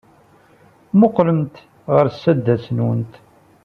Mmuqqlemt ɣer sdat-went.